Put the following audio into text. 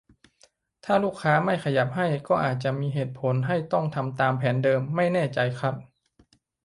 ถ้าลูกค้าไม่ขยับให้ ก็อาจจะมีเหตุผลให้ต้องทำตามแผนเดิม ? ไม่แน่ใจครับ